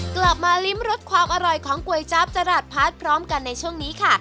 กลับมาลิ้มรสความอร่อยของก๋วยจั๊บตลาดพัดพร้อมกันในช่วงนี้ค่ะ